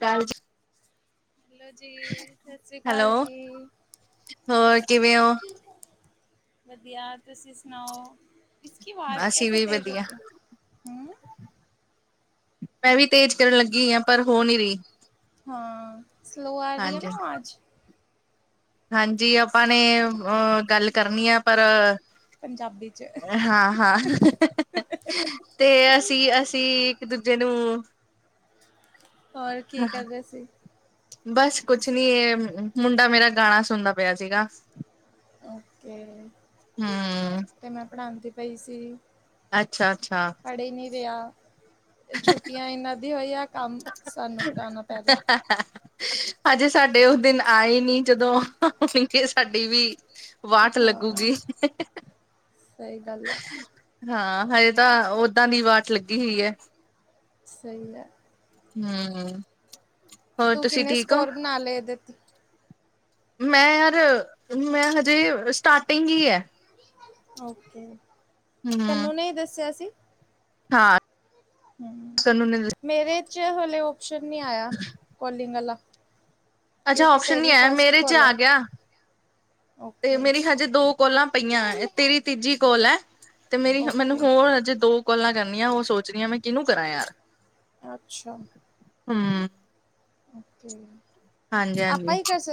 ਕਾਲ ਜੀ। ਹੈਲੋ ਜੀ। ਸਤਿ ਸ੍ਰੀ ਅਕਾਲ ਹੈਲੋ ਜੀ। ਹੋਰ ਕਿਵੇਂ ਓ? ਵਧੀਆ। ਤੁਸੀ ਸੁਣਾਓ? ਇਸਕੀ ਵਾਜ਼ ਅਸੀਂ ਕੈਸੇ ਵੀ ਤੇਜ ਵਧੀਆ, ਹੋਤੀ ਹੂੰ। ਮੈਂ ਵੀ ਤੇਜ ਕਰਨ ਲੱਗੀ ਆਂ ਪਰ ਹੋ ਨੀ ਰੀ। ਹਾਂ। ਸਲੋ ਆ ਰੀ ਐ ਨਾ ਅਵਾਜ਼। ਹਾਂਜੀ। ਆਪਾਂ ਨੇ ਅ ਗੱਲ ਕਰਨੀ ਆ ਪਰ ਪੰਜਾਬੀ ਚ ਹਾਂ ਹਾਂ। ਤੇ ਅਸੀ ਅਸੀ ਇੱਕ ਦੂਜੇ ਨੂੰ ਹੋਰ ਕੀ ਕਰਦੇ ਸੀ? ਬਸ ਕੁਛ ਨੀ। ਏ ਮੁੰਡਾ ਮੇਰਾ ਗਾਣਾ ਸੁਣਦਾ ਪੇਆ ਸੀਗਾ। ਤੇ, ਹੂੰ ਤੇ ਮੈਂ ਪੜਾਂਦੀ ਪਈ ਸੀ। ਅੱਛਾ-ਅੱਛਾ। ਪੜੇ ਨਹੀਂ ਰਿਹਾ, ਛੁੱਟੀਆਂ ਇਹਨਾਂ ਦੀ ਹੋਈਆ ਕੰਮ ਸਾਨੂੰ ਕਰਾਣਾ ਪੈ ਰਿਹਾ। ਹਾਂ ਹ ਹਜੇ ਸਾਡੇ ਉਹ ਦਿਨ ਆਏ ਨੀ, ਜਦੋਂ ਹੁ ਕੇ ਸਾਡੀ ਵੀ ਵਾਟ ਹਾਂ ਲੱਗੂਗੀ। ਸਹੀ ਗੱਲ ਆ ਹਾਂ, ਹਜੇ ਤਾਂ ਓਦਾਂ ਦੀ ਵਾਟ ਲੱਗੀ ਹਈ ਹੈ। ਸਹੀ ਐ। ਹੂੰ ਹੋਰ ਤੂੰ ਤੁਸੀਂ ਕਿੰਨੇ ਠੀਕ ਹੋ? ਸਕੋਰ ਬਣਾਲੈ, ਇਹਦੇ ਤ? ਮੈਂ ਯਾਰ, ਮੈਂ ਹਜੇ ਸਟਾਰਟਿੰਗ ਈ ਐ। ਓਕੇ, ਹਮ ਤਨੂੰ ਨੇ ਈ ਦੱਸਿਆ ਸੀ? ਹਾਂ, ਤਨੂੰ ਨੇ ਮੇਰੇ'ਚ ਹਲੇ ਓਪਸ਼ਨ ਨਹੀਂ ਆਇਆ, ਕੌਲਿੰਗ ਆਲਾ। ਅੱਛਾ ਕਿਉਂਕਿ ਔਪਸ਼ਨ ਨਹੀ ਤੇਰੀ ਆਇਆ, ਫਸਟ ਮੇਰੇ'ਚ ਕੋਲ ਆ, ਆਗਿਆ, ਤੇ ਓਕੇ, ਮੇਰੀ ਹਜੇ ਦੋ ਕੋਲਾਂ ਪਈਆਂ, ਤੇਰੀ ਤੀਜੀ ਕੋਲ ਐ, ਤੇ ਮੇਰੀ ਮੈਨੂੰ ਓਕੇ। ਹੋਰ ਅਜੇ ਦੋ ਕੌਲਾਂ ਕਰਨੀਆਂ, ਉਹ ਸੋਚਰੀ ਆਂ, ਮੈਂ ਕਿਨੂੰ ਕਰਾਂ ਯਾਰ। ਅੱਛਾ। ਹੂੰ ਓਕੇ, ਹਾਂਜੀ ਆਪਾ ਹਾਂਜੀ ਈ ਕਰ ਸ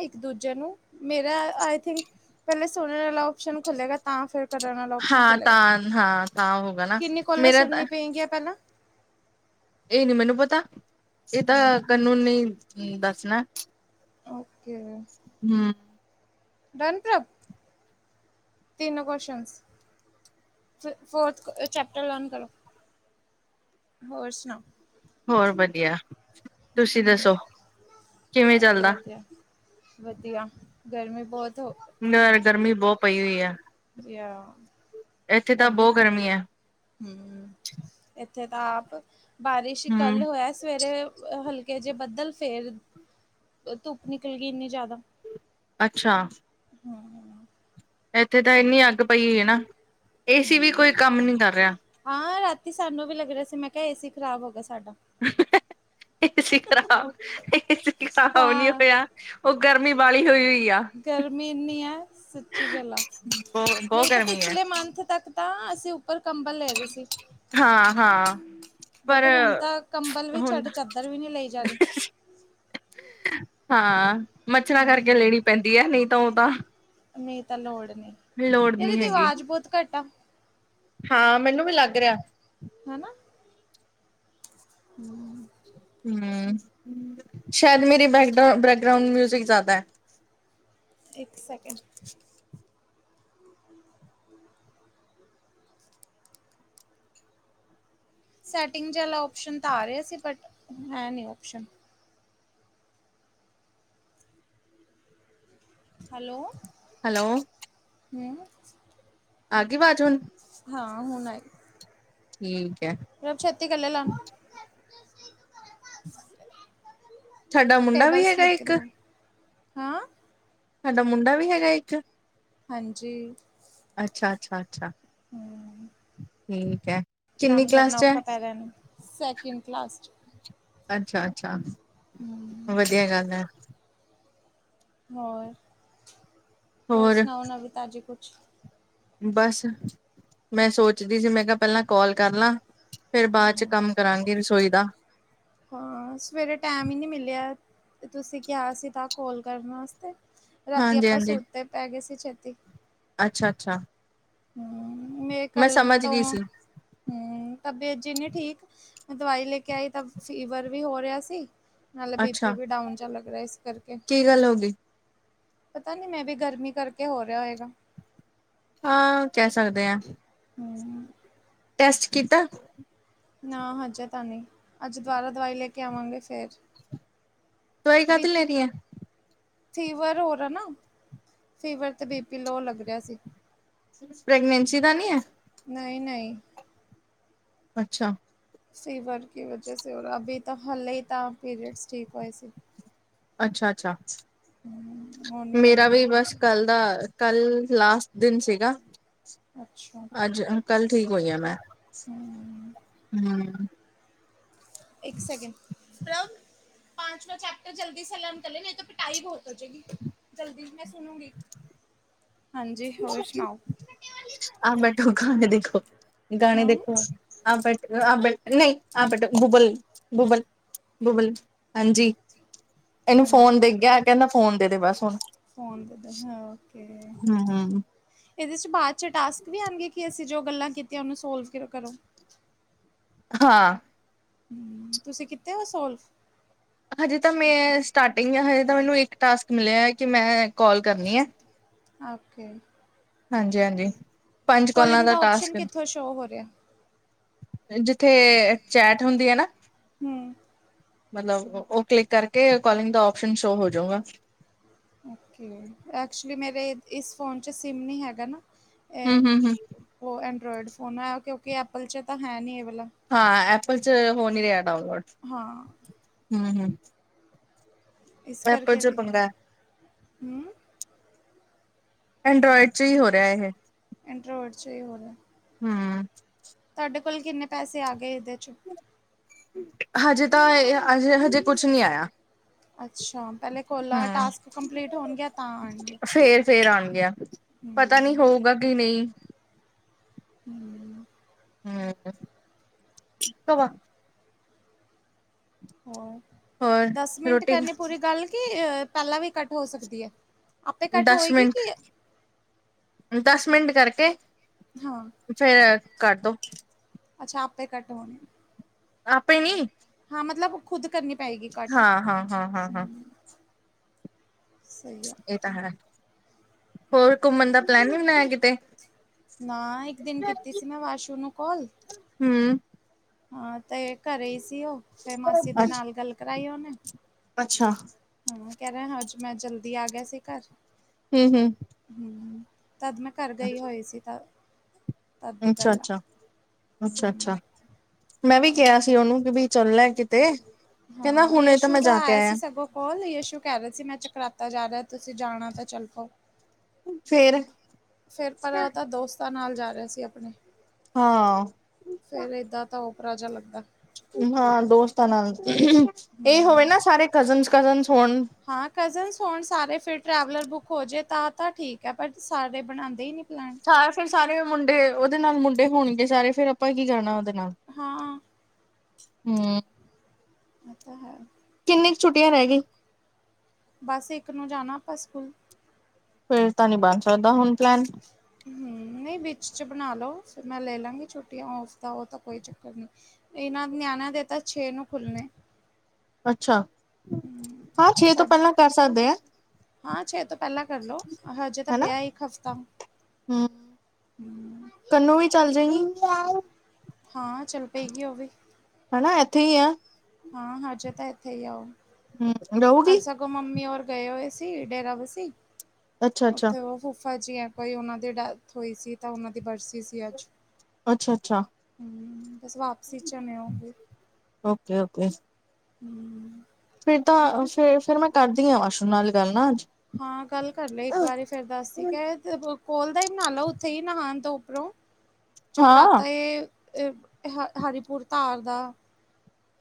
ਇੱਕ-ਦੂਜੇ ਨੂੰ, ਮੇਰਾ ਆਈ ਥਿੰਕ ਪਹਿਲੇ ਸੁਣਨ ਵਾਲਾ ਔਪਸ਼ਨ ਖੁੱਲੇਗਾ ਤਾਂ ਫਿਰ ਕਰਨ ਵਾਲਾ ਔਪਸ਼ਨ ਹਾਂ ਖੁੱਲੇਗਾ, ਤਾਂ ਹਾਂ ਤਾਂ ਹੋਗਾ ਨਾ ਕਿੰਨੀ ਕੌਲਾਂ ਮੇਰਾ ਤਾਂ ਸੁਣਨੀ ਪਏਂਗੀਆਂ ਪਹਿਲਾਂ? ਇਹ ਨੀ ਮੈਨੂੰ ਪਤਾ, ਇਹ ਤਾਂ ਓਕੇ, ਤੰਨੂ ਨੇ ਈ ਦੱਸਣਾ। ਓਕੇ। ਹੂੰ ਡਨ ਪ੍ਰਭ ਤਿੰਨ ਕੋਸ਼ਚਨਸ, ਫੋਰਥ ਚੈਪਟਰ ਲਰਨ ਕਰੋ। ਹੋਰ ਸੁਣਾ? ਹੋਰ ਵਧੀਆ, ਤੁਸੀ ਹਮ। ਦੱਸੋ, ਕਿਵੇਂ ਮੈਂ ਵੀ ਚੱਲਦਾ? ਵਧੀਆ ਵਧੀਆ, ਗਰਮੀ ਬਹੁਤ ਹੋ ਅ ਗਰਮੀ ਬਹੁਤ ਪਈ ਹੋਈ ਆ। ਜੀ ਆ। ਇੱਥੇ ਤਾ ਬੋਤ ਗਰਮੀ ਐ। ਹੂੰ, ਇੱਥੇ ਤਾ ਆਪ, ਬਾਰਿਸ਼ ਈ ਕੱਲ ਹੂੰ, ਹੋਇਆ ਸਵੇਰੇ ਹਲ ਕੇ ਜੇ ਬੱਦਲ, ਫੇਰ ਧੁੱਪ ਨਿਕਲਗੀ, ਇੰਨੀ ਜ਼ਿਆਦਾ। ਅੱਛਾ। ਹਾਂ ਇੱਥੇ ਤਾਂ ਇੰਨੀ ਅੱਗ ਪਈ ਏ ਨਾ, ਏਸੀ ਵੀ ਕੋਈ ਕੰਮ ਨੀ ਕਰ ਰਿਹਾ। ਹਾਂ, ਰਾਤੀ ਸਾਨੂੰ ਵੀ ਲੱਗ ਰਿਹਾ ਸੀ, ਮੈਂ ਕਿਹਾ ਏਸੀ ਖ਼ਰਾਬ ਹੋਗਿਆ ਸਾਡਾ। ਏਸੀ ਖਰਾਬ, ਏਸੀ ਖਰਾਬ ਨੀ ਹਾਂ ਹੋਇਆ ਉਹ ਗਰਮੀ, ਬਾਹਲੀ ਹੋਈ ਹੋਈ ਆ। ਗਰਮੀ ਇੰਨੀ ਐ, ਸੱਚੀ ਗੱਲ ਆ, ਬਹੁ ਬਹੁਤ ਨਹੀਂ ਤਾਂ ਗਰਮੀ ਹੈ। ਪਿਛਲੇ ਮੰਥ ਤੱਕ ਤਾਂ, ਅਸੀਂ ਉੱਪਰ ਕੰਬਲ ਲੈ ਰਹੇ ਸੀ। ਹਾਂ-ਹਾਂ, ਪਰ ਬਟ ਹੁਣ ਤਾਂ ਕੰਬਲ ਵੀ ਹੁਣ ਛੱਡ, ਚੱਦਰ ਵੀ ਨਹੀਂ ਲਈ ਜਾਰੀ। ਹਾਂ, ਮੱਛਰਾਂ ਕਰਕੇ ਲੈਣੀ ਪੈਂਦੀ ਏ, ਨਹੀਂ ਤਾਂ, ਉਹ ਤਾਂ ਨਹੀਂ ਤਾਂ ਲੋੜ ਨਹੀਂ, ਲੋੜ ਇਹਦੀ ਨੀ ਤੇ ਹੈਗੀ। ਅਵਾਜ਼ ਬਹੁਤ ਘੱਟ ਆ। ਹਾਂ ਮੈਨੂੰ ਵੀ ਲੱਗ ਰਿਹਾ ਹਨ ਨਾ ਹੁੰ ਸ਼ਾਇਦ ਮੇਰੀ ਬੈਕ ਬੈਕਗਰਾਊਂਡ ਮਿਊਜਿਕ ਜ਼ਿਆਦਾ ਹੈ ਇੱਕ ਸੈਕਿੰਡ ਸੈਟਿੰਗ ਵਾਲਾ ਓਸ਼ਨ ਤਾਂ ਆ ਰਿਹਾ ਸੀ ਬਟ ਹੈ ਨਹੀਂ ਓਸ਼ਨ ਹੈਲੋ ਹੈਲੋ ਹਾਂਜੀ ਆ ਗਈ ਆਵਾਜ਼ ਹੁਣ ਹਾਂ ਹੁਣ ਆਈ ਠੀਕ ਹੈ ਪਰਬ ਛੇਤੀ ਕਰਲੇ ਲਾਂ ਸਾਡਾ ਮੁੰਡਾ ਵੀ ਟੇਬਲਸ ਹੈਗਾ ਲਿਖ ਕੇ ਇੱਕ ਦਿਖਾਓ ਹਾਂ ਤਾਡਾ ਮੁੰਡਾ ਵੀ ਹੈਗਾ ਇੱਕ ਹਾਂਜੀ ਅੱਛਾ -ਅੱਛਾ, ਅੱਛਾ ਹਮ, ਠੀਕ ਹੈ ਕੰਮ ਕਰਨਾ ਔਖਾ ਪੈ ਗੇਆਂ ਅਨੂੰ ਸੈਕਿੰਡ ਕਲਾਸਟ ਅੱਛਾ -ਅੱਛਾ ਵਧੀਆ ਗੱਲ ਹੈ, ਹੋਰ -ਹੋਰ ਸੁਣਾਓ ਨਾ ਵੀ ਤਾਜ਼ੀ ਕੁਛ ਬਸ ਮੈਂ ਸੋਚਦੀ ਸੀ ਮੈਂ ਕਿਹਾ ਪਹਿਲਾਂ ਕੋਲ ਕਰ ਲਾਂ ਫੇਰ ਬਾਅਦ ਚ ਕੰਮ ਕਰਾਂਗੀ ਰਸੋਈ ਦਾ ਹਾਂ ਸਵੇਰੇ ਟੈਮ ਹੀ ਨਹੀਂ ਮਿਲਿਆ ਤੇ ਤੁਸੀਂ ਕਿਹਾ ਸੀ ਤਾਂ ਕੋਲ ਕਰਨ ਵਾਸਤੇ ਰਾਤੀ ਆਪਾਂ ਹਾਂਜੀ-ਹਾਂਜੀ ਸੂਤਤੇ ਪੈ ਗਏ ਸੀ ਛੇਤੀ ਅੱਛਾ -ਅੱਛਾ ਮੈਂ ਕੱਲ ਤੋਂ ਗਈ ਸੀ ਹੁੰ ਤਬੀਅਤ ਜੀਨੀ ਠੀਕ ਮੈਂ ਦਵਾਈ ਲੈ ਕੇ ਆਈ ਤਾਂ ਫੀਵਰ ਵੀ ਹੋ ਰਿਹਾ ਸੀ ਨਾਲੇ ਬੀ ਪੀ ਅੱਛਾ ਵੀ ਡਾਊਨ ਚਹਾ ਲੱਗਦਾ ਇਸ ਕਰਕੇ ਕੀ ਗੱਲ ਹੋ ਗਈ ਪਤਾ ਨੀ ਮੈਂ ਵੀ ਗਰਮੀ ਕਰਕੇ ਹੋ ਰਿਹਾ ਹੋਏਗਾ ਹਾਂ ਕਹਿ ਸਕਦੇ ਹਾਂ ਹਾਂ ਟੈਸਟ ਕੀਤਾ ਨਾ ਹਜੇ ਤਾਂ ਨਹੀਂ ਅੱਜ ਦੁਬਾਰਾ ਦਵਾਈ ਲੈ ਕੇ ਆਵਾਂਗੇ ਫੇਰ ਦਵਾਈ ਬੀ ਕਾਹਦੀ ਪੀ, ਲੈ ਰਹੀ ਐ ਫੀਵਰ ਹੋਰ ਹੈ ਨਾ ਫੀਵਰ ਤੇ ਬੀਪੀ ਲੋ ਲੱਗ ਰਿਹਾ ਸੀ ਪ੍ਰੈਗਨੈਂਸੀ ਤਾਂ ਨੀ ਹੈ, ਨਹੀਂ -ਨਹੀਂ ਅੱਛਾ, ਫੀਵਰ ਕੀ ਵਜੇ ਸੇ ਔਰ ਅਭੀ ਤਾਂ ਹਾਲ ਹੀ ਤਾਂ ਪੀਰੀਡਸ ਠੀਕ ਹੋਏ ਸੀ ਅੱਛਾ -ਅੱਛਾ ਮੇਰਾ ਵੀ ਬਸ ਕੱਲ ਦਾ ਕੱਲ ਲਾਸਟ ਦਿਨ ਸੀਗਾ ਅੱਛਾ ਅੱਜ ਕੱਲ ਠੀਕ ਹੋਈ ਮੈਂ ਹੁੰ ਇੱਕ ਸਕਿੰਡ ਪਰਬ ਪਾਚਵ ਚੈਪਟਰ ਜਲਦੀ ਸੇ ਲੈਂਰਨ ਕਰ ਲੇ ਨਹੀਂ ਤੋਂ ਪਿਟਾਈ ਹੋਗੀ ਜਲਦੀ ਮੈਂ ਸੁਣੂਗੀ ਹਾਂਜੀ ਹੋਰ ਸੁਣਾਓ ਆਹ ਬੈਠੋ ਗਾਣੇ ਦੇਖੋ ਗਾਣੇ ਹਾਂ ਦੇਖੋ ਆਪ ਬ ਆਪ ਬ ਨਹੀਂ ਆਪਟ ਗੂਬਲ ਗੂਬਲ ਬੁਬਲ ਹਾਂਜੀ। ਇਹਨੂੰ ਫੋਨ ਹਾਂਜੀ ਦੇ ਗਿਆ ਕਹਿੰਦਾ ਫੋਨ ਦੇ ਦੇ ਬਸ ਹੁਣ ਫੋਨ ਦੇ ਦੋ ਹਾਂ ਓਕੇ ਹਮ ਹ। ਇਹਦੇ 'ਚ ਬਾਅਦ 'ਚ ਟਾਸਕ ਵੀ ਆਉਣਗੇ ਕਿ ਅਸੀਂ ਜੋ ਗੱਲਾਂ ਕੀਤੀਆਂ ਉਹਨੂੰ ਸੋਲਵ ਕਰੋ? ਹਾਂ। ਹਮ ਤੁਸੀਂ ਕਿੱਥ ਹੋ ਸੋਲਵ? ਹਜੇ ਤਾਂ ਮੈਂ ਸਟਾਰਟਿੰਗ ਹ ਹਜੇ ਤਾਂ ਮੈਨੂੰ ਇੱਕ ਟਾਸਕ ਮਿਲਿਆ ਕਿ ਮੈਂ ਕਾਲ ਕਰਨੀ ਹੈ। ਓਕੇ। ਹਾਂਜੀ ਹਾਂਜੀ ਪੰਜ ਕੋਲਾਂ ਕੋਲਿੰਗ ਦਾ ਟਾਸਕ। ਆਪਸ਼ਨ ਕਿੱਥੋਂ ਸ਼ੋਅ ਹੋ ਰਿਹਾ ਜਿੱਥੇ ਚੈਟ ਹੁੰਦੀ ਹੈ ਨਾ ਹਮ [unintelligible] ਮਤਲਬ ਉਹ ਕਲਿੱਕ ਕਰਕੇ ਕਲਿੰਗ ਦਾ ਓਸ਼ਨ ਸ਼ੋਅ ਹੋ ਜਾਊਗਾ। ਓਕੇ ਐਕਚੁਲੀ ਮੇਰੇ ਇਸ ਫ਼ੋਨ 'ਚ ਸਿਮ ਨਹੀਂ ਹੈਗਾ ਨਾ ਹੂੰ ਇਹ ਹੂੰ ਹੂੰ ਉਹ ਐਂਡਰਾੋਇਡ ਫੋਨ ਹੈ ਉਹ ਕਿਉਂਕਿ ਐਪਲ 'ਚ ਤਾਂ ਹੈ ਨਹੀਂ ਇਹ ਵਾਲਲਾ ਹਾਂ ਐਪਲ ਚ ਹੋ ਨਹੀਂ ਰਿਹਾ ਡਾਊਨਲੋਡ। ਹਾਂ। ਹਮ ਹਮ [unintelligible] ਇਸ ਕਰਕੇ ਵੀ ਪੰਗਾ ਹਮ ਐਂਡਰੋਇਡ ਚ ਹੀ ਹੋ ਰਿਹਾ ੲਹ। ਐਂਡਰੋਡ ਚ ਹੀ ਹੋ ਰਿਆ। ਹਮ ਤਾਡੇ ਕੋਲ ਕਿੰਨੇ ਪੈਸੇ ਆ ਗਏ ਇਹਦੇ ਚ? ਹਜੇ ਤਾਂ ਇਹ ਹਜੇ ਹਜੇ ਕੁਛ ਨਹੀਂ ਆਇਆ। ਅੱਛਾ ਪਹਿਲੇ ਕੋਲਾਂ ਹਮ ਟਾਸਕ ਕੰਪਲੀਟ ਹੋਣ ਗਿਆ ਤਾਂਆਉਣਗੇ। ਫੇਰ ਫੇਰ ਆਣ ਗਿਆ ਪਤਾ ਨਹੀ ਹੋਊਗਾ ਕਿ ਨਹੀਂ। ਹਮਮਮ [unintelligible] ਹਮਮ ਕਵਾ [unintelligible] ਹੋ ਹੋਰ ਦਸ ਮਿੰਟ ਰੋਟੀ ਕਰਨੀੇ ਪੂਰੀ ਗੱਲ ਕਿ ਪਹਿਲਾਂ ਵੀ ਕੱਟ ਹੋ ਸਕਦੀ ਹੈ? ਆਪੇ ਕੱਟ ਦਸ ਹੋਏਗੀ ਮਿੰਟ ਕਿ ਅ ਦਸ ਮਿੰਟ ਕਰਕੇ ਹਾਂ ਫਿਰ ਕਟਦੋ। ਅੱਛਾ ਆਪੇ ਕੱਟ ਹੋ ਅ ਆਪੇ ਨੀ ਹਾਂ ਮਤਲਬ ਖੁਦ ਕਰਨੀ ਪਏਗੀ ਕੱਟ। ਹਾਂ ਹਾਂ ਹਾਂ ਹਾਂ ਹਾਂ ਸਹੀ ਆ। ਇਹ ਤਾਂ ਹੈ ਹੋਰ ਘੁੰਮਣ ਦਾ ਪਲੈਨ ਨੀ ਬਣਾਇਆ ਕਿਤੇ? ਨਾਇੱਕ ਦਿਨ ਕੀਤੀ ਸੀ ਮੈਂ ਵਾਸ਼ੂ ਨੂੰ ਕਾਲ ਹਮ ਹਾਂ ਤੇ ਘਰੇ ਹੀ ਸੀ ਉਹ ਫੇਰ ਮਾਸੀ ਦੇ ਅੱਛਾ ਨਾਲ ਗੱਲ ਕਰਾਈ ਉਹਨੇ। ਅੱਛਾ। ਹਾਂ ਕਹਿ ਰਿਹਾ ਹ ਅੱਜ ਮੈਂ ਜਲਦੀ ਆ ਗਿਆ ਸੀ ਘਰ। ਹਮ ਹਮ। ਹਮ ਤਦ ਮੈਂ ਘਰ ਗਈ ਹੋਈ ਸੀ ਤ ਤਦ ਹਮ ਦੀ ਅੱਛਾ ਗੱਲ ਆ ਅੱਛਾ ਅੱਛਾ ਅੱਛਾ। ਮੈਂ ਵੀ ਕਿਹਾ ਸੀ ਉਹਨੂੰ ਕਿ ਬ ਚੱਲਣਾ ਕਿਤੇ ਕਹਿੰਦਾ ਹਾਂ ਹੁਣੇ ਤਾਂ ਯਸ਼ੂ ਮੈਂ ਦਾ ਜਾ ਕੇ ਆਇਆ ਸੀ ਸਗੋਂ। ਹੋਲ ਯਸ਼ੂ ਕੈ ਰਏ ਸੀ, ਮੈਂ ਚਕਰਾਤਾ ਜਾ ਰਿਆ, ਤੁਸੀਂ ਜਾਣਾ ਤਾਂ ਚੱਲੋ। ਫੇਰ? ਫੇਰ ਪਰਾਂ ਓ ਤਾਂ ਦੋਸਤਾਂ ਨਾਲ ਜਾ ਰਿਆ ਸੀ ਆਪਣੇ। ਹਾਂ। ਫੇਰ ਏਦਾਂ ਤਾਂ ਓਪਰਾ ਜਾ ਲੱਗਦਾ। ਹਾਂ ਦੋਸਤਾਂ ਨਾਲ, ਏ ਹੋਵੇ ਨਾ ਸਾਰੇ ਕਜ਼ਨਜ਼-ਕਜ਼ਨਜ਼ ਹੋਣ। ਹਾਂ ਕਜ਼ਨਜ਼ ਹੋਣ ਸਾਰੇ ਫਿਰ ਟਰੈਵਲਰ ਬੁੱਕ ਹੋ ਜੇ ਤਾਂ ਤਾਂ ਠੀਕ ਐ ਪਰ ਸਾਰੇ ਬਣਾਦੇ ਈ ਨੀ ਪਲੈਨ। ਹਾਂ ਫਿਰ ਸਾਰੇ ਮੁੰਡੇ ਓਦੇ ਨਾਲ ਮੁੰਡੇ ਹੋਣਗੇ ਸਾਰੇ ਫੇਰ ਆਪਾਂ ਕੀ ਕਰਨਾ ਓਦੇ ਨਾਲ। ਹਾਂ। ਹੂੰ। ਏ ਤਾਂ ਹੈ। ਕਿੰਨੀ ਕ ਛੁੱਟੀਆਂ ਰੈ ਗਈ? ਬਸ ਇੱਕ ਨੂੰ ਜਾਣਾ ਆਪਾਂ ਸਕੂਲ। ਫਿਰ ਤਾਂ ਨੀ ਬਨ ਸਕਦਾ ਹੁਣ ਪਲੈਨ। ਹੂੰ ਨਈਂ ਵਿੱਚ ਚ ਬਣਾ ਲੋ, ਫਿਰ ਮੈਂ ਲੈ ਲਾਂਗੀ ਛੁੱਟੀਆਂ ਔਫ। ਤਾਂ ਓ ਤਾਂ ਕੋਈ ਚੱਕਰ ਨਈਂ, ਏਨਾਂ ਨਿਆਣੇਆਂ ਦੇ ਤਾਂ ਛੇ ਨੂੰ ਖੁੱਲਣੇ। ਅੱਛਾ, ਹਾਂ ਛੇ ਤੋਂ ਸਾਡੇ ਪੈਲਾਂ ਕਰ ਸਕਦੇ ਐ। ਹਾਂ ਛੇ ਤੋਂ ਪੈਲਾਂ ਕਰਲੋ, ਹਜੇ ਤਾਂ ਪਿਆ ਇੱਕ ਹਫਤਾ। ਹੂੰ, ਕੰਨੂੰ ਵੀ ਚੱਲ ਜਾਏਗੀ। ਹਾਂ ਚੱਲ ਪਏਗੀ ਓ ਵੀ। ਹਨਾ ਏਥੇ ਈ ਆਂ। ਹਾਂ ਹਜੇ ਤਾਂ ਏਥੇ ਈ ਐ ਓ। ਹੂੰ ਰਊਗੀ? ਮੰਮੀ ਔਰ ਗਏ ਹੋਏ ਸੀ ਡੇਰਾ ਵਸੀ, ਅੱਛਾ ਅੱਛਾ ਓਥੇ ਓ ਫੁਫਾ ਜੀ ਐ। ਕੋਈ ਓਨਾਂ ਦੀ ਡੈਥ ਹੋਈ ਸੀ ਤਾਂ ਓਨਾਂ ਦੀ ਬਰਸੀ ਸੀ ਅੱਜ। ਅੱਛਾ-ਅੱਛਾ। ਹੂੰ ਬਸ ਵਾਪਸੀ ਚ ਨੇ ਔਂਦੇ। ਓਕੇ-ਓਕੇ। ਹੂੰ। ਫਿਰ ਤਾਂ ਫੇ ਫਿਰ ਮੈਂ ਕਰਦੀ ਆਂ ਆਸ਼ੂ ਨਾਲ ਗੱਲ ਨਾ ਅੱਜ। ਹਾਂ ਗੱਲ ਕਰ ਲਈ ਇੱਕ ਵਾਰੀ ਫੇਰ ਦੱਸਦੀ ਕੈ ਅ ਕੋਲ ਦਾ ਈ ਬਣਾ ਲਓ ਓਥੇ ਈ ਨਹਾਣ ਤੋਂ ਉੱਪਰੋਂ। ਹਾਂ ਚਕਰਾਤਾ ਏ ਅ ਹ ਹਰੀਪੁਰ ਧਾਰ ਦਾ।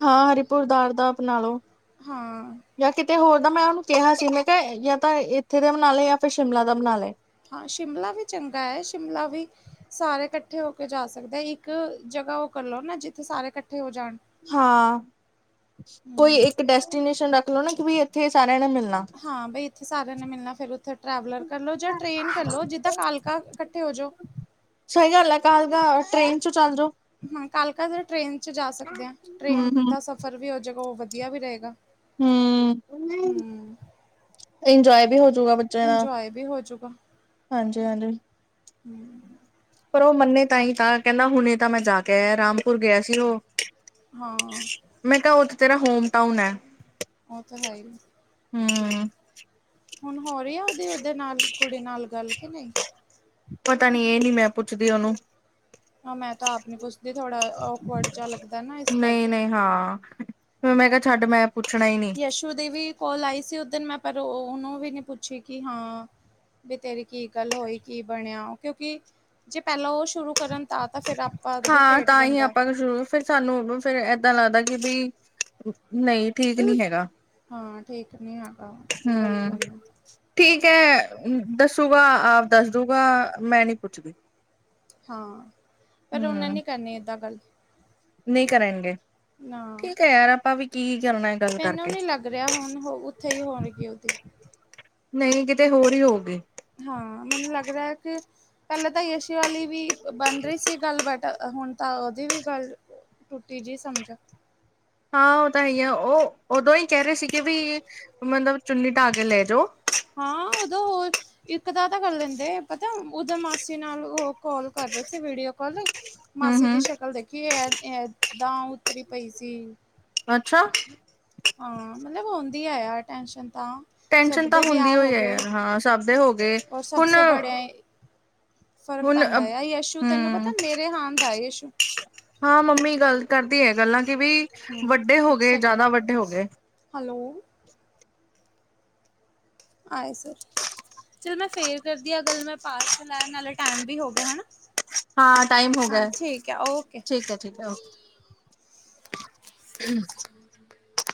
ਹਾਂ ਹਰੀਪੁਰ ਦਾਰ ਅਪਣਾ ਲੋ। ਹਾਂ। ਯਾ ਕਿਤੇ ਹੋਰ ਦਾ ਮੈਂ ਓਨੂੰ ਕਿਹਾ ਸੀ ਮੈਂ ਕਿਆ ਯਾ ਤਾਂ ਇੱਥੇ ਦੇ ਬਣਾ ਲਏ ਯਾ ਫਿਰ ਸ਼ਿਮਲਾ ਦਾ ਬਣਾ ਲਏ। ਹਾਂ ਸ਼ਿਮਲਾ ਵੀ ਚੰਗਾ ਏ ਸ਼ਿਮਲਾ ਵੀ। ਸਾਰੇ ਕੱਠੇ ਹੋ ਕੇ ਜਾ ਸਕਦੇ ਆ ਇੱਕ ਜਗਾ ਓ ਕਰ ਲਓ ਨਾ ਜਿੱਥੇ ਸਾਰੇ ਕੱਠੇ ਹੋ ਜਾਣ। ਹਾਂ ਕੋਈ ਹੂੰ। ਇੱਕ ਡੈਸਟੀਨੇਸ਼ਨ ਰੱਖ ਲੋ ਨਾ ਕਿ ਬਈ ਏਥੇ ਸਾਰੇਆਂ ਨੇ ਮਿਲ ਹਾਂ ਬਈ ਇੱਥੇ ਸਾਰੇਆਂ ਨੇ ਮਿਲਣਾ ਫਿਰ ਓਥੇ ਟਰੈਵਲਰ ਕਰ ਲੋ ਜਾਂ ਟ੍ਰੇਨ ਕਰ ਲੋ ਜਿੱਦਾਂ ਕਾਲਕਾ ਕੱਠੇ ਹੋ ਜੋ। ਸਈ ਗੱਲ ਐ ਕਾਲਕਾ ਟ੍ਰੇਨ ਚੋ ਚੱਲ ਜੋ। ਹਾਂ ਕਾਲਕਾ ਜਰਾ ਟ੍ਰੇਨ ਚ ਜਾ ਸਕਦੇ ਆਂ, ਹੂੰ ਟ੍ਰੇਨ ਹੂੰ ਦਾ ਸਫਰ ਵੀ ਹੋ ਜੂਗਾ ਓ ਵਦੀਆ ਵੀ ਰਏਗਾ। ਹੂੰ। ਇੰਜੋਏ ਵੀ ਹੋਜੂਗਾ ਬੱਚੇਆਂ ਦਾ, ਇੰਜੋਏ ਵੀ ਹੋ ਹਾਂਜੀ-ਹਾਂਜੀ। ਹੂੰ। ਪਰ ਓ ਮੰਨੇ ਤਾਂ ਹੀ ਤਾਂ ਕੈਂਦਾ ਹੁਣੇ ਤਾਂ ਮੈਂ ਜਾ ਕੇ ਆਇਆਂ ਰਾਮਪੁਰ ਗਿਆ ਸੀ ਓ। ਹਾਂ। ਮੈਂ ਕਿਹਾ ਉੱਥੇ ਤੇ ਹੋਮ ਟਾਊਨ ਹੈ। ਉਹ ਤਾਂ ਹੈ ਹੀ। ਹਮ। ਹੁਣ ਹੋ ਰਹੀ ਆ ਉਹਦੀ ਉਹਦੇ ਨਾਲ ਕੁੜੀ ਨਾਲ ਗੱਲ ਕਿ ਨਹੀਂ। ਪਤਾ ਨੀ ਇਹ ਨੀ ਮੈਂ ਪੁੱਛਦੀ ਉਹਨੂੰ। ਹਾਂ ਮੈਂ ਤਾਂ ਆਪ ਨੀ ਪੁੱਛਦੀ ਥੋੜ੍ਹਾ ਓਕਡ ਚ ਲੱਗਦਾ ਨਾ ਇਸ ਕਰਕੇ। ਨਹੀਂ-ਨਹੀਂ ਹਾਂ ਫ਼ਿਰ ਮੈਂ ਕਿਹਾ ਛੱਡ ਮੈਂ ਪੁੱਛਣਾ ਹੀ ਨਹੀਂ। ਅੋਦੀ ਵਿ ਕੋਾਲ ਆਈ ਸੀ ਉਧਨ ਮੈਂ ਪਰ ਉਹਨੂੰ ਵੀ ਨੇ ਪੁੱਛੀ ਕਿ ਹਾਂ। ਵੀ ਤੇਰੀ ਕੀ ਗੱਲ ਹੋਈ ਕੀ ਬਣਿਆ ਕਿਉਂਕਿ। ਜੇ ਪਹਿਲਾਂ ਉਹ ਸ਼ੁਰੂ ਕਰਨ ਤਾਂ ਤਾਂ ਫਿਰ ਆਪ। ਹਾਂ ਤਾਂ ਹੀ ਆਪਾਂ ਨੂੰ ਸ਼ੁਰੂ। ਫੇਿਰ ਸਾਨੂੰ ਫੇਿਰ ਏਦਾਂ ਲੱਗਦਾ ਕਿ ਬਈ ਨਹੀਂ ਠੀਕ ਨੀ ਹੈਗਾ। ਹਾਂ। ਠੀਕ ਨਹੀਂ ਹੈ ਗਾ। ਹਮ। ਠੀਕ ਹੈ ਦੱਸੂਗਾ ਆਪ ਦੱਸ ਦੂਗਾ ਮੈਂ ਨਹੀਂ ਪੁੱਛਦੀ। ਹਾਂ ਪਰ ਉਹਨੇ ਹੂੰ ਨੀ ਕਰਨੀ ਏਦਾਂ ਗੱਲ। ਨਹੀਂ ਕਰਨਗੇ ਨਾ ਠੀਕ ਹੈ ਯਾਰ ਆਪਾਂ ਵੀ ਕੀ ਕਰਨਾ। ਗੱਲ ਮੈਨੂੰ ਕਰਕੇ ਨੀ ਲੱਗ ਰਿਹਾ ਹੁਣ ਉੱਥੇ ਹੀ ਹੋਣਗੇ ਉਹਦੀ। ਨਹੀਂ ਕਿਤੇ ਹੋਰ ਹੀ ਹੋਊਗੇ। ਹਾਂ ਮੈਨੂੰ ਲੱਗਦਾ ਹੈ ਕੇ। ਪਹਿਲੇ ਤਾਂ ਯਸ਼ੀ ਵਾਲੀ ਵੀ ਬਣ ਰਹੀ ਸੀ ਗੱਲ ਬਟ ਹੁਣ ਤਾਂ ਉਹਦੀ ਵੀ ਗੱਲ। ਟੁੱਟੀ ਜਿਹੀ ਸਮਝੋ। ਹਾਂ ਉਹ ਤਾਂ ਹੈ ਆ ਉਹ ਉਦੋਂ ਹੀ ਕਹਿ ਰਹੇ ਸੀਗੇ ਬਈ ਮਤਲਬ ਚੁੰਨੀ ਢਾਹ ਕੇ ਲੈ ਜਾਓ। ਹਾਂ ਉਦੋਂ ਹੋਰ। ਇੱਕ ਦਾ ਤਾਂ ਕਰ ਲੈਂਦੇ ਪਤਾ ਅੋਥੇ ਮਾਸੀ ਨਾਲ ਉਹ ਕਾਲ ਕਰ ਰਹੇ ਸੀ ਵੀਡੀਓ ਕਾਲ। ਹੂੰ ਮਾਸੀ ਦੀ ਹੂੰ ਸ਼ਕਲ ਦੇਖੀ ਇਹ ਏਦਾਂ ਉੱਤਰੀ ਪਈ ਸੀ। ਅੱਛਾ। ਹਾਂ ਮਤਲਬ ਹੁੰਦੀ ਏ ਯਾਰ ਟੈਸ਼ਨ ਤਾਂ। ਸਭ ਟੈਨਸ਼ਨ ਤਾਂ ਦੇ ਹੁੰਦੀ ਵਿਆ ਹੋ ਹੋਈ ਹੈ ਗਏ, ਯਾਰ ਹਾਂ ਸਭ ਦੇ ਹੋ ਗਏ ਔਰ ਹੁਣ ਸਭਸੇ ਬੜੇ ਏ ਫਰਕ ਹੁਣ ਪੈਂਦਾ ਏ ਯਸ਼ੂ ਤੈਨੂੰ ਹੂੰ ਪਤਾ ਮੇਰੇ ਹਾਂਨ ਦਾ ਏ ਯਸ਼ੂ। ਹਾਂ ਮੰਮੀ ਗੱਲ ਕਰਦੀ ਏ ਗੱਲਾਂ ਕਿ ਬਇ ਹੂੰ ਵੱਡੇ ਹੋ ਗਏ ਜ਼ਿਆਦਾ ਵੱਡੇ ਹੋ ਗਏ। ਹਾਲੌ। ਆਏ ਸਰ। ਚੱਲ ਮੈਂ ਫੇਰ ਕਰਦੀ ਆ ਗੱਲ ਮੈਂ ਪਾਰਸਲ ਲੇਨ ਅਲੇ ਟੇਮ ਵੀ ਹੋ ਗਿਆ ਹਨਾ। ਹਾਂ ਟਾਈਮ ਹੋ ਹਾਂ ਗਿਆ ਠੀਕ ਆ ਓਕੇ ਠੀਕ ਹੈ ਜੀ ਜਾਅੋ। [inaudible] ਹ [inaudible]